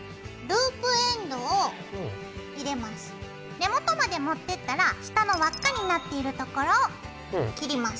根元まで持ってったら下の輪っかになっているところを切ります。